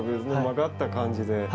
曲がった感じで。